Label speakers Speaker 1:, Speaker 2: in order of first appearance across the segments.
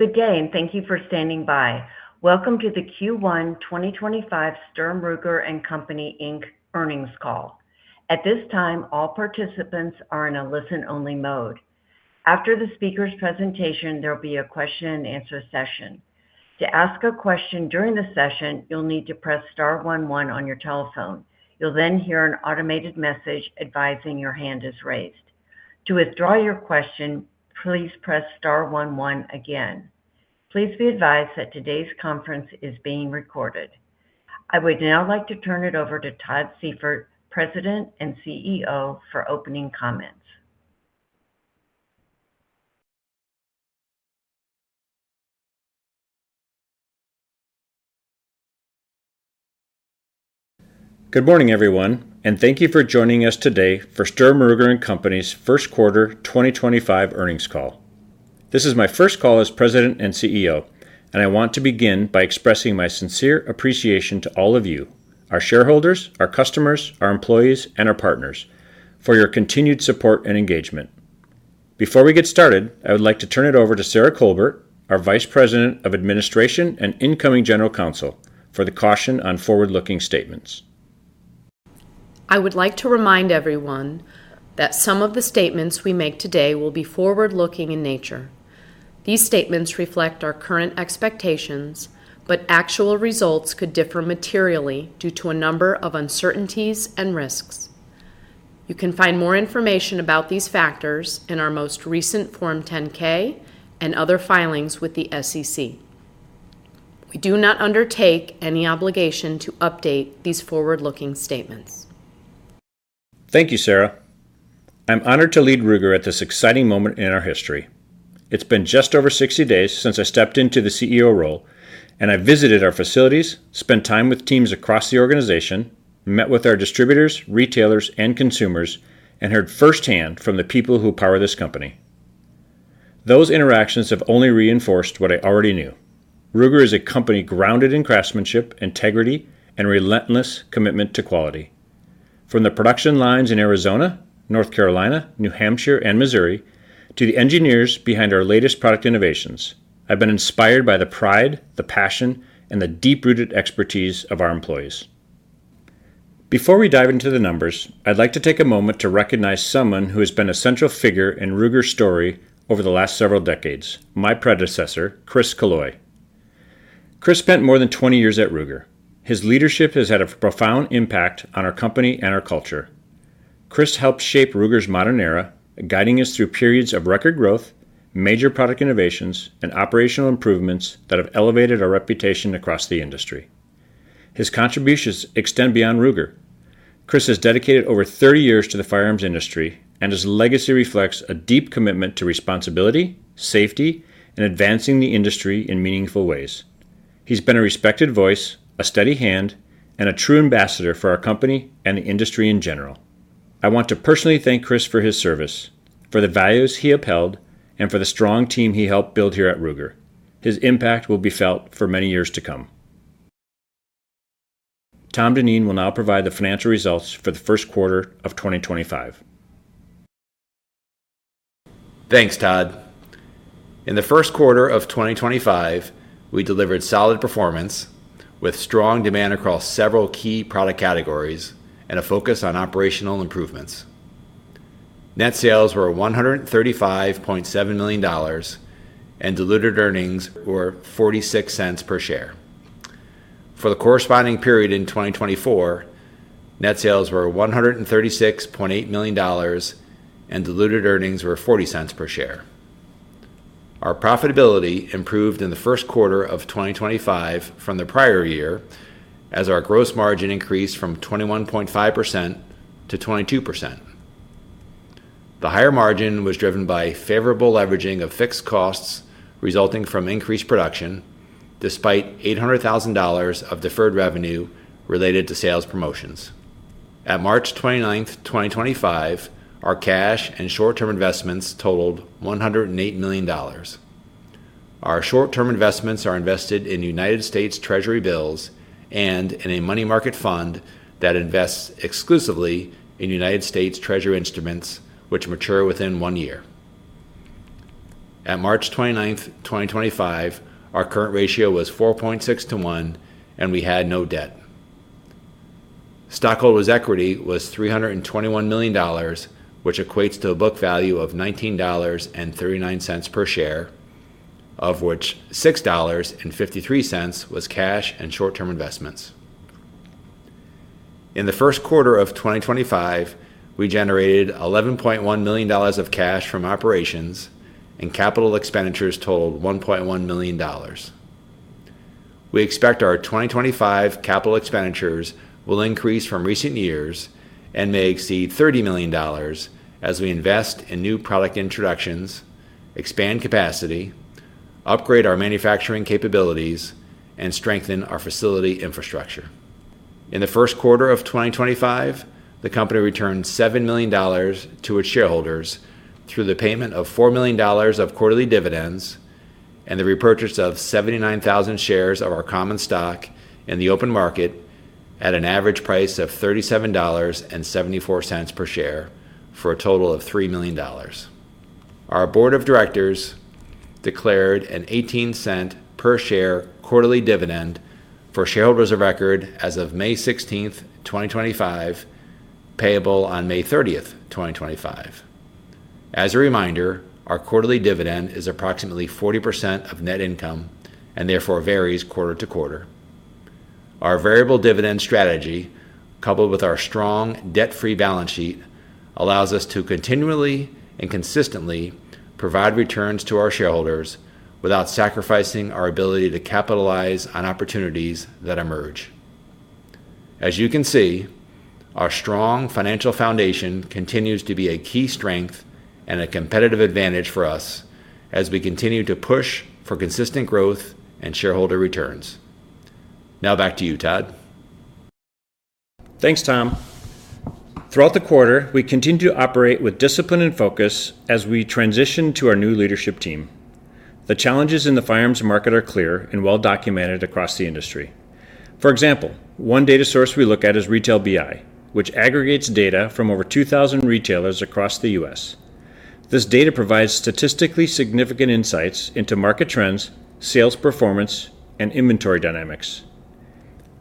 Speaker 1: Good day. Thank you for standing by. Welcome to the Q1 2025 Sturm, Ruger & Company, Inc Earnings Call. At this time, all participants are in a listen-only mode. After the speaker's presentation, there'll be a question-and-answer session. To ask a question during the session, you'll need to press star one one on your telephone. You'll then hear an automated message advising your hand is raised. To withdraw your question, please press star one one again. Please be advised that today's conference is being recorded. I would now like to turn it over to Todd Seyfert, President and CEO, for opening comments.
Speaker 2: Good morning, everyone, and thank you for joining us today for Sturm, Ruger & Company's First Quarter 2025 Earnings Call. This is my first call as president and CEO, and I want to begin by expressing my sincere appreciation to all of you, our shareholders, our customers, our employees, and our partners, for your continued support and engagement. Before we get started, I would like to turn it over to Sarah Colbert, our Vice President of Administration and Incoming General Counsel, for the caution on forward-looking statements.
Speaker 3: I would like to remind everyone that some of the statements we make today will be forward-looking in nature. These statements reflect our current expectations, but actual results could differ materially due to a number of uncertainties and risks. You can find more information about these factors in our most recent Form 10-K and other filings with the SEC. We do not undertake any obligation to update these forward-looking statements.
Speaker 2: Thank you, Sarah. I'm honored to lead Ruger at this exciting moment in our history. It's been just over 60 days since I stepped into the CEO role, and I've visited our facilities, spent time with teams across the organization, met with our distributors, retailers, and consumers, and heard firsthand from the people who power this company. Those interactions have only reinforced what I already knew. Ruger is a company grounded in craftsmanship, integrity, and relentless commitment to quality. From the production lines in Arizona, North Carolina, New Hampshire, and Missouri, to the engineers behind our latest product innovations, I've been inspired by the pride, the passion, and the deep-rooted expertise of our employees. Before we dive into the numbers, I'd like to take a moment to recognize someone who has been a central figure in Ruger's story over the last several decades: my predecessor, Chris Killoy. Chris spent more than 20 years at Ruger. His leadership has had a profound impact on our company and our culture. Chris helped shape Ruger's modern era, guiding us through periods of record growth, major product innovations, and operational improvements that have elevated our reputation across the industry. His contributions extend beyond Ruger. Chris has dedicated over 30 years to the firearms industry, and his legacy reflects a deep commitment to responsibility, safety, and advancing the industry in meaningful ways. He's been a respected voice, a steady hand, and a true ambassador for our company and the industry in general. I want to personally thank Chris for his service, for the values he upheld, and for the strong team he helped build here at Ruger. His impact will be felt for many years to come. Tom Dineen will now provide the financial results for the first quarter of 2025.
Speaker 4: Thanks, Todd. In the first quarter of 2025, we delivered solid performance with strong demand across several key product categories and a focus on operational improvements. Net sales were $135.7 million and diluted earnings were $0.46 per share. For the corresponding period in 2024, net sales were $136.8 million and diluted earnings were $0.40 per share. Our profitability improved in the first quarter of 2025 from the prior year as our gross margin increased from 21.5% to 22%. The higher margin was driven by favorable leveraging of fixed costs resulting from increased production, despite $800,000 of deferred revenue related to sales promotions. At March 29th, 2025, our cash and short-term investments totaled $108 million. Our short-term investments are invested in United States Treasury bills and in a money market fund that invests exclusively in United States Treasury instruments, which mature within one year. At March 29th, 2025, our current ratio was 4.6 to 1, and we had no debt. Stockholders' equity was $321 million, which equates to a book value of $19.39 per share, of which $6.53 was cash and short-term investments. In the first quarter of 2025, we generated $11.1 million of cash from operations, and capital expenditures totaled $1.1 million. We expect our 2025 capital expenditures will increase from recent years and may exceed $30 million as we invest in new product introductions, expand capacity, upgrade our manufacturing capabilities, and strengthen our facility infrastructure. In the first quarter of 2025, the company returned $7 million to its shareholders through the payment of $4 million of quarterly dividends and the repurchase of 79,000 shares of our common stock in the open market at an average price of $37.74 per share for a total of $3 million. Our board of directors declared a $0.18 per share quarterly dividend for shareholders of record as of May 16th, 2025, payable on May 30th, 2025. As a reminder, our quarterly dividend is approximately 40% of net income and therefore varies quarter-to-quarter. Our variable dividend strategy, coupled with our strong debt-free balance sheet, allows us to continually and consistently provide returns to our shareholders without sacrificing our ability to capitalize on opportunities that emerge. As you can see, our strong financial foundation continues to be a key strength and a competitive advantage for us as we continue to push for consistent growth and shareholder returns. Now back to you, Todd.
Speaker 2: Thanks, Tom. Throughout the quarter, we continue to operate with discipline and focus as we transition to our new leadership team. The challenges in the firearms market are clear and well-documented across the industry. For example, one data source we look at is retail BI, which aggregates data from over 2,000 retailers across the U.S. This data provides statistically significant insights into market trends, sales performance, and inventory dynamics.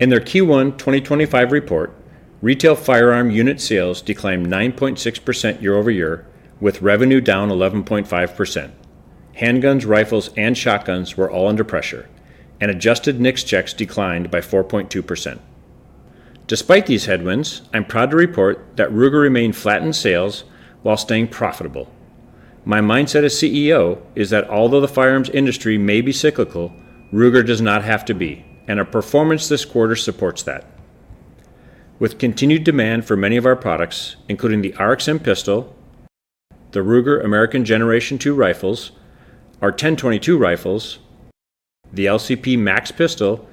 Speaker 2: In their Q1 2025 report, retail firearm unit sales declined 9.6% year-over-year, with revenue down 11.5%. Handguns, rifles, and shotguns were all under pressure, and adjusted NICS checks declined by 4.2%. Despite these headwinds, I'm proud to report that Ruger remained flat in sales while staying profitable. My mindset as CEO is that although the firearms industry may be cyclical, Ruger does not have to be, and our performance this quarter supports that. With continued demand for many of our products, including the RXM pistol, the Ruger American Generation II Rifles, our 10/22 rifles, the LCP MAX pistol,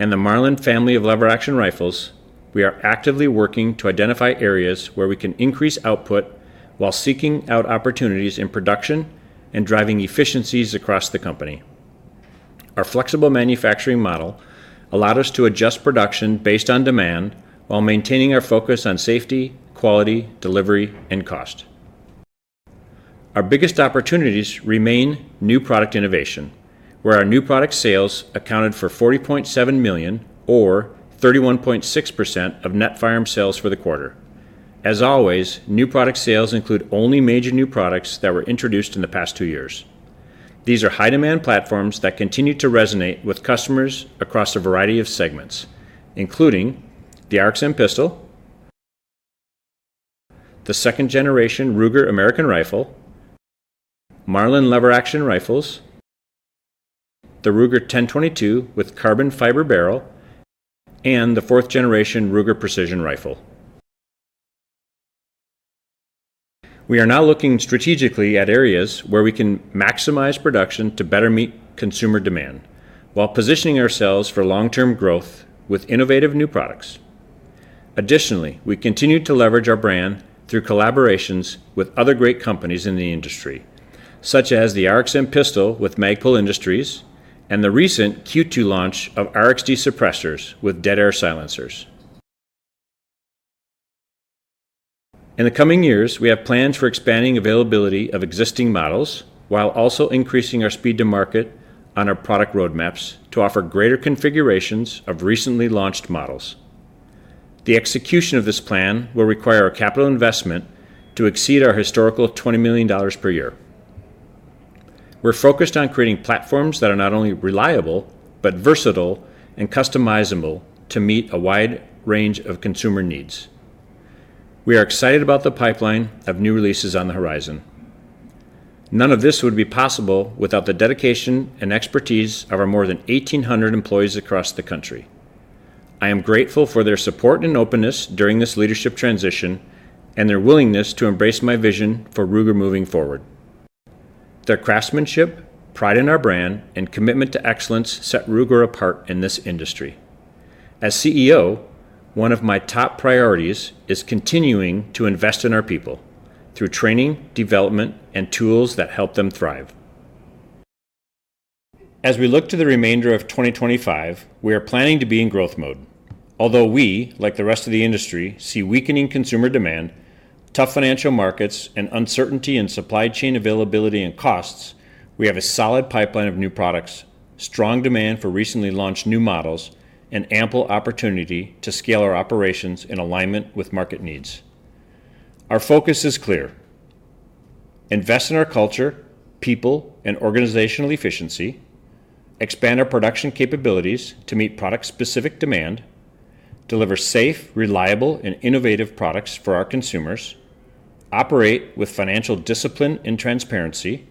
Speaker 2: and the Marlin family of lever-action rifles, we are actively working to identify areas where we can increase output while seeking out opportunities in production and driving efficiencies across the company. Our flexible manufacturing model allowed us to adjust production based on demand while maintaining our focus on safety, quality, delivery, and cost. Our biggest opportunities remain new product innovation, where our new product sales accounted for $40.7 million, or 31.6% of net firearms sales for the quarter. As always, new product sales include only major new products that were introduced in the past two years. These are high-demand platforms that continue to resonate with customers across a variety of segments, including the RXM pistol, the second-generation Ruger American Rifle, Marlin lever-action rifles, the Ruger 10/22 with carbon fiber barrel, and the fourth-generation Ruger Precision Rifle. We are now looking strategically at areas where we can maximize production to better meet consumer demand while positioning ourselves for long-term growth with innovative new products. Additionally, we continue to leverage our brand through collaborations with other great companies in the industry, such as the RXM pistol with Magpul Industries and the recent Q2 launch of RXD suppressors with Dead Air Silencers. In the coming years, we have plans for expanding availability of existing models while also increasing our speed to market on our product roadmaps to offer greater configurations of recently launched models. The execution of this plan will require a capital investment to exceed our historical $20 million per year. We're focused on creating platforms that are not only reliable but versatile and customizable to meet a wide range of consumer needs. We are excited about the pipeline of new releases on the horizon. None of this would be possible without the dedication and expertise of our more than 1,800 employees across the country. I am grateful for their support and openness during this leadership transition and their willingness to embrace my vision for Ruger moving forward. Their craftsmanship, pride in our brand, and commitment to excellence set Ruger apart in this industry. As CEO, one of my top priorities is continuing to invest in our people through training, development, and tools that help them thrive. As we look to the remainder of 2025, we are planning to be in growth mode. Although we, like the rest of the industry, see weakening consumer demand, tough financial markets, and uncertainty in supply chain availability and costs, we have a solid pipeline of new products, strong demand for recently launched new models, and ample opportunity to scale our operations in alignment with market needs. Our focus is clear: invest in our culture, people, and organizational efficiency, expand our production capabilities to meet product-specific demand, deliver safe, reliable, and innovative products for our consumers, operate with financial discipline and transparency,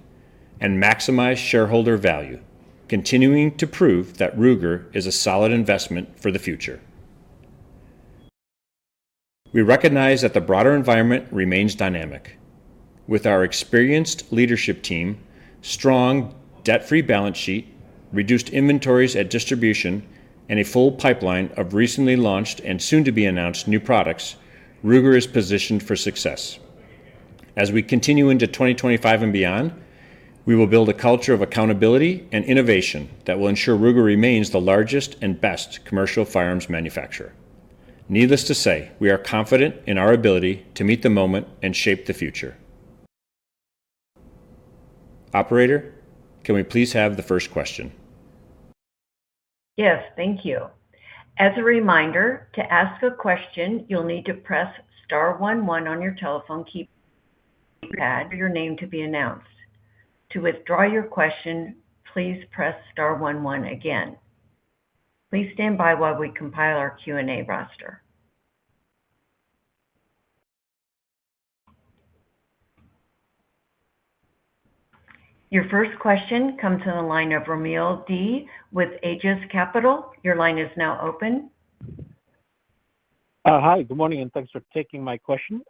Speaker 2: and maximize shareholder value, continuing to prove that Ruger is a solid investment for the future. We recognize that the broader environment remains dynamic. With our experienced leadership team, strong debt-free balance sheet, reduced inventories at distribution, and a full pipeline of recently launched and soon-to-be-announced new products, Ruger is positioned for success. As we continue into 2025 and beyond, we will build a culture of accountability and innovation that will ensure Ruger remains the largest and best commercial firearms manufacturer. Needless to say, we are confident in our ability to meet the moment and shape the future. Operator, can we please have the first question?
Speaker 1: Yes, thank you. As a reminder, to ask a question, you'll need to press star one one on your telephone keypad for your name to be announced. To withdraw your question, please press star one one again. Please stand by while we compile our Q&A roster. Your first question comes from the line of Rommel Dionisio with Aegis Capital. Your line is now open.
Speaker 5: Hi, good morning, and thanks for taking my question.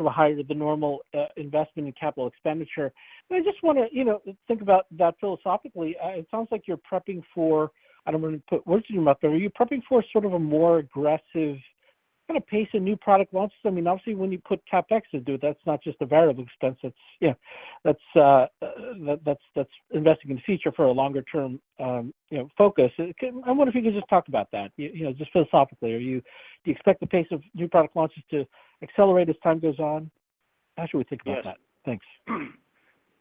Speaker 5: You made a comment about higher than normal investment in capital expenditure. I just want to think about that philosophically. It sounds like you're prepping for—I don't want to put words in your mouth—but are you prepping for sort of a more aggressive kind of pace in new product launches? I mean, obviously, when you put CapEx into it, that's not just a variable expense. That's investing in the future for a longer-term focus. I wonder if you could just talk about that, just philosophically. Do you expect the pace of new product launches to accelerate as time goes on? How should we think about that? Thanks.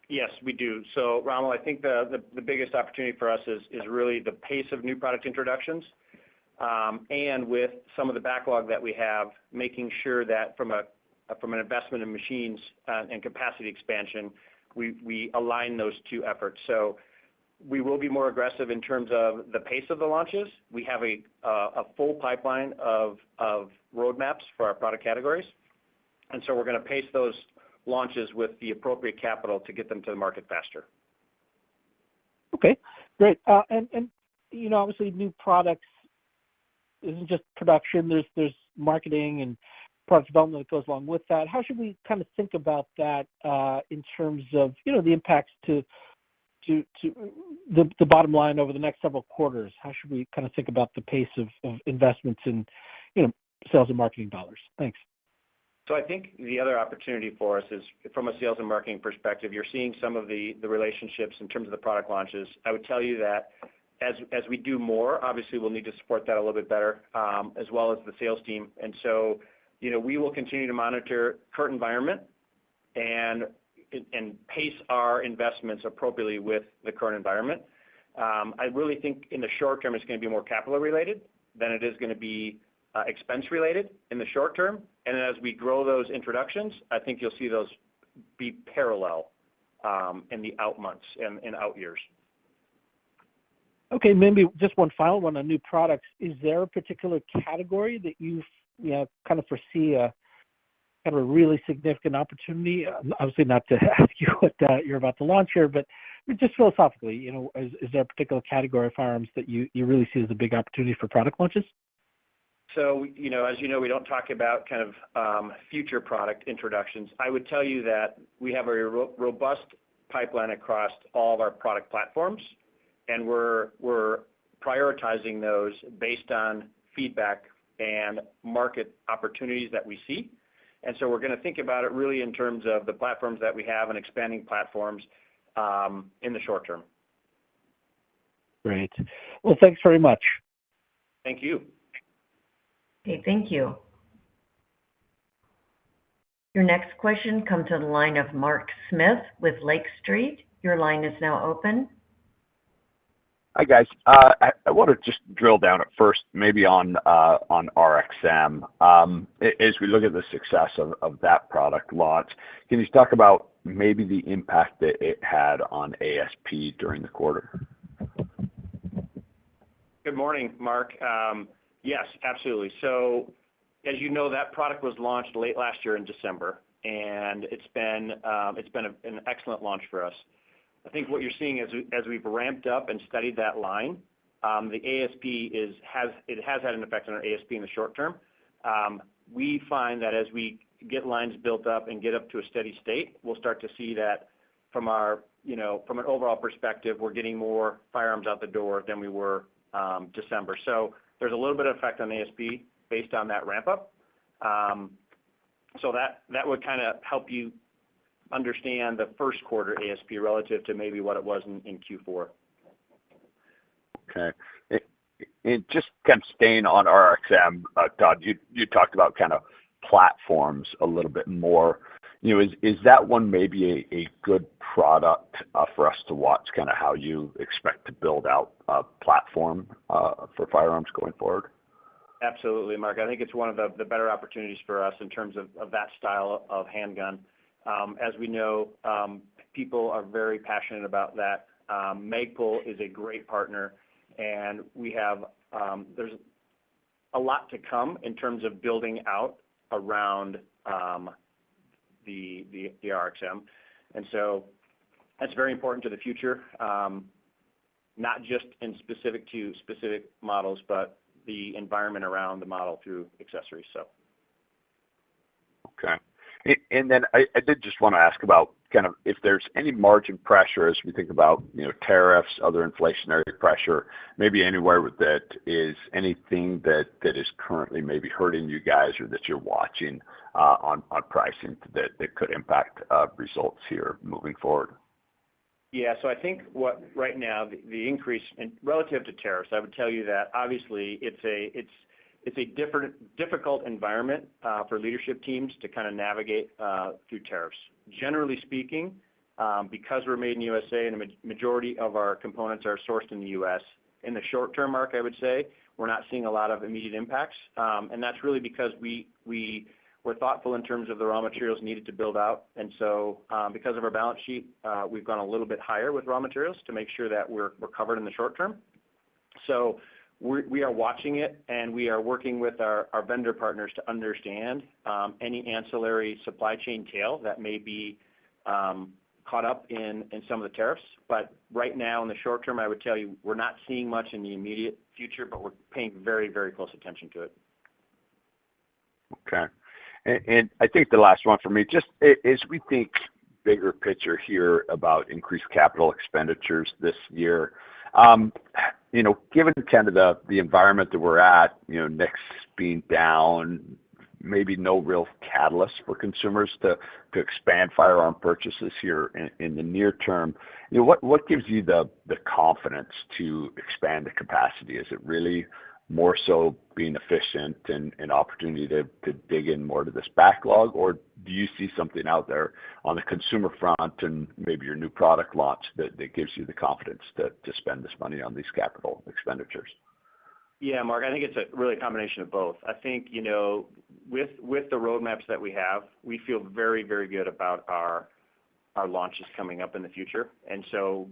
Speaker 2: Yes, we do. Rommel, I think the biggest opportunity for us is really the pace of new product introductions. With some of the backlog that we have, making sure that from an investment in machines and capacity expansion, we align those two efforts. We will be more aggressive in terms of the pace of the launches. We have a full pipeline of roadmaps for our product categories. We are going to pace those launches with the appropriate capital to get them to the market faster.
Speaker 5: Okay. Great. Obviously, new products is not just production; there is marketing and product development that goes along with that. How should we kind of think about that in terms of the impacts to the bottom line over the next several quarters? How should we kind of think about the pace of investments in sales and marketing dollars? Thanks.
Speaker 2: I think the other opportunity for us is, from a sales and marketing perspective, you're seeing some of the relationships in terms of the product launches. I would tell you that as we do more, obviously, we'll need to support that a little bit better, as well as the sales team. We will continue to monitor the current environment and pace our investments appropriately with the current environment. I really think in the short term, it's going to be more capital-related than it is going to be expense-related in the short term. As we grow those introductions, I think you'll see those be parallel in the out months and out years.
Speaker 5: Okay. Maybe just one final one on new products. Is there a particular category that you kind of foresee a kind of a really significant opportunity? Obviously, not to ask you what you're about to launch here, but just philosophically, is there a particular category of firearms that you really see as a big opportunity for product launches?
Speaker 2: As you know, we don't talk about kind of future product introductions. I would tell you that we have a robust pipeline across all of our product platforms, and we're prioritizing those based on feedback and market opportunities that we see. We're going to think about it really in terms of the platforms that we have and expanding platforms in the short term.
Speaker 5: Great. Thanks very much.
Speaker 2: Thank you.
Speaker 1: Okay. Thank you. Your next question comes from the line of Mark Smith with Lake Street. Your line is now open.
Speaker 6: Hi, guys. I want to just drill down at first maybe on RXM. As we look at the success of that product launch, can you talk about maybe the impact that it had on ASP during the quarter?
Speaker 2: Good morning, Mark. Yes, absolutely. As you know, that product was launched late last year in December, and it's been an excellent launch for us. I think what you're seeing as we've ramped up and studied that line, it has had an effect on our ASP in the short term. We find that as we get lines built up and get up to a steady state, we'll start to see that from an overall perspective, we're getting more firearms out the door than we were December. There's a little bit of effect on ASP based on that ramp-up. That would kind of help you understand the first quarter ASP relative to maybe what it was in Q4.
Speaker 6: Okay. And just kind of staying on RXM, Todd, you talked about kind of platforms a little bit more. Is that one maybe a good product for us to watch, kind of how you expect to build out a platform for firearms going forward?
Speaker 2: Absolutely, Mark. I think it's one of the better opportunities for us in terms of that style of handgun. As we know, people are very passionate about that. Magpul is a great partner, and there's a lot to come in terms of building out around the RXM. That is very important to the future, not just specific to specific models, but the environment around the model through accessories.
Speaker 6: Okay. I did just want to ask about kind of if there's any margin pressure as we think about tariffs, other inflationary pressure, maybe anywhere that is anything that is currently maybe hurting you guys or that you're watching on pricing that could impact results here moving forward.
Speaker 2: Yeah. I think right now, the increase relative to tariffs, I would tell you that obviously, it's a difficult environment for leadership teams to kind of navigate through tariffs. Generally speaking, because we're made in the U.S. and the majority of our components are sourced in the U.S., in the short term, Mark, I would say, we're not seeing a lot of immediate impacts. That's really because we were thoughtful in terms of the raw materials needed to build out. Because of our balance sheet, we've gone a little bit higher with raw materials to make sure that we're covered in the short term. We are watching it, and we are working with our vendor partners to understand any ancillary supply chain tail that may be caught up in some of the tariffs. Right now, in the short term, I would tell you we're not seeing much in the immediate future, but we're paying very, very close attention to it.
Speaker 6: Okay. I think the last one for me, just as we think bigger picture here about increased capital expenditures this year, given kind of the environment that we're at, NICS being down, maybe no real catalyst for consumers to expand firearm purchases here in the near term, what gives you the confidence to expand the capacity? Is it really more so being efficient and an opportunity to dig in more to this backlog, or do you see something out there on the consumer front and maybe your new product launch that gives you the confidence to spend this money on these capital expenditures?
Speaker 2: Yeah, Mark. I think it's really a combination of both. I think with the roadmaps that we have, we feel very, very good about our launches coming up in the future.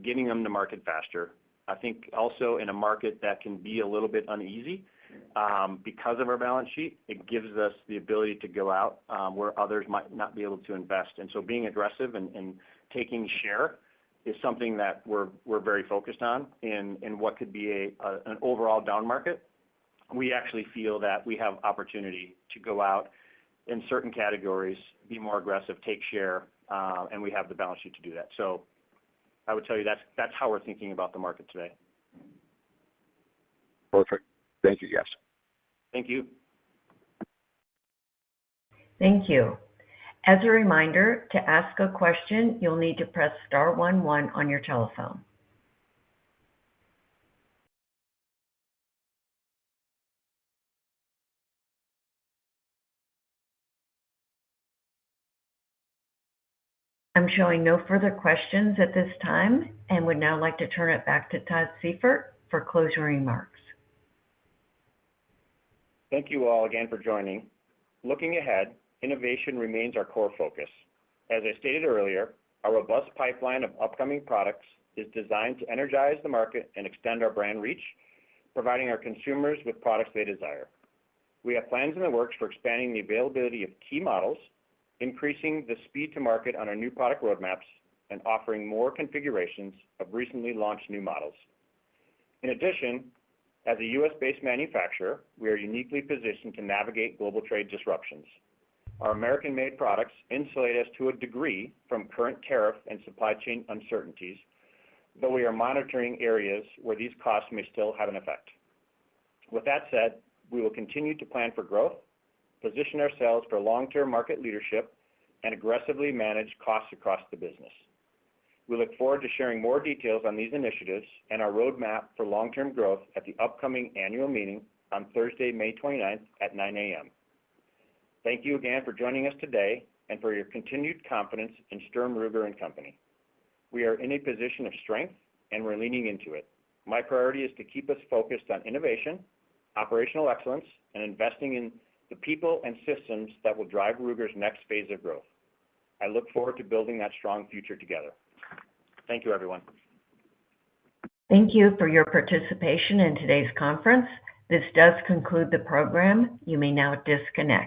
Speaker 2: Getting them to market faster, I think also in a market that can be a little bit uneasy because of our balance sheet, it gives us the ability to go out where others might not be able to invest. Being aggressive and taking share is something that we're very focused on in what could be an overall down market. We actually feel that we have opportunity to go out in certain categories, be more aggressive, take share, and we have the balance sheet to do that. I would tell you that's how we're thinking about the market today.
Speaker 6: Perfect. Thank you, guys.
Speaker 2: Thank you.
Speaker 1: Thank you. As a reminder, to ask a question, you'll need to press star one one on your telephone. I'm showing no further questions at this time and would now like to turn it back to Todd Seyfert for closing remarks.
Speaker 2: Thank you all again for joining. Looking ahead, innovation remains our core focus. As I stated earlier, our robust pipeline of upcoming products is designed to energize the market and extend our brand reach, providing our consumers with products they desire. We have plans in the works for expanding the availability of key models, increasing the speed to market on our new product roadmaps, and offering more configurations of recently launched new models. In addition, as a U.S.-based manufacturer, we are uniquely positioned to navigate global trade disruptions. Our American-made products insulate us to a degree from current tariff and supply chain uncertainties, though we are monitoring areas where these costs may still have an effect. With that said, we will continue to plan for growth, position ourselves for long-term market leadership, and aggressively manage costs across the business. We look forward to sharing more details on these initiatives and our roadmap for long-term growth at the upcoming annual meeting on Thursday, May 29th at 9:00 A.M. Thank you again for joining us today and for your continued confidence in Sturm, Ruger & Company. We are in a position of strength, and we're leaning into it. My priority is to keep us focused on innovation, operational excellence, and investing in the people and systems that will drive Ruger's next phase of growth. I look forward to building that strong future together. Thank you, everyone.
Speaker 1: Thank you for your participation in today's conference. This does conclude the program. You may now disconnect.